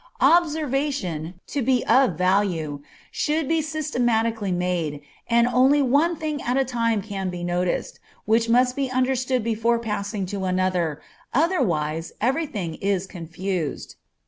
Observation, to be of value, should be systematically made, and only one thing at a time can be noticed, which must be understood before passing to another, otherwise every thing is confused.